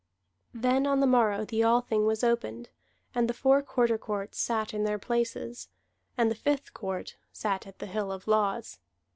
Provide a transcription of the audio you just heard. Then on the morrow the Althing was opened, and the four Quarter Courts sat in their places, and the Fifth Court sat at the Hill of Laws.